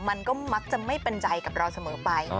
มันก็มักจะไม่เป็นใจกับเราเสมอไป